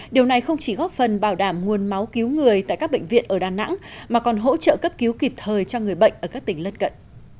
điều này không chỉ góp phần bảo đảm nguồn máu cứu người tại các bệnh viện ở đà nẵng mà còn hỗ trợ cấp cứu kịp thời cho người bệnh ở các tỉnh lân cận